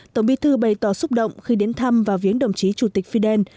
tổng bí thư bày tỏ xúc động khi đến thăm và viếng đồng chí chủ tịch fidel